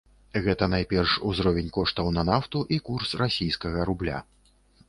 Гэта найперш узровень коштаў на нафту і курс расійскага рубля.